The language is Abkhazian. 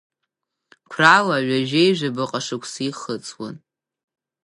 Қәрала ҩажәеи жәабаҟа шықәса ихыҵуан.